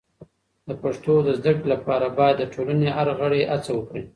د پښتو د زده کړې لپاره باید د ټولنې هر غړی هڅه وکړي.